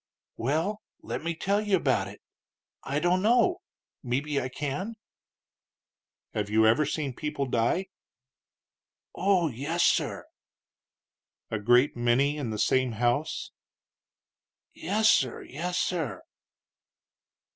"Well, let me tell you about it; I don't know; mebbe I can." "Have you ever seen people die?" "Oh, yes, sir!" "A great many in the same house?" "Yes, sir; yes, sir."